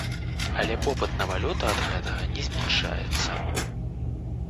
Але попыт на валюту ад гэтага не змяншаецца.